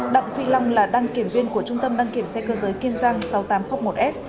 đặng phi long là đăng kiểm viên của trung tâm đăng kiểm xe cơ giới kiên giang sáu nghìn tám trăm linh một s